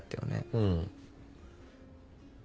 うん。